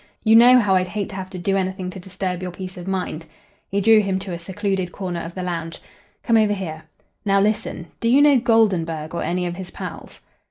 "You know how I'd hate to have to do anything to disturb your peace of mind." He drew him to a secluded corner of the lounge. "Come over here. Now, listen. Do you know Goldenburg or any of his pals?"